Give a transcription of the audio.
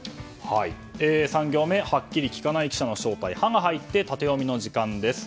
３行目、はっきり聞かない記者の正体、「ハ」が入ってタテヨミの時間です。